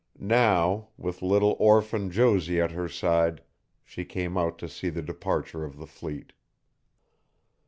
Now, with little orphan Josie at her side, she came out to see the departure of the fleet.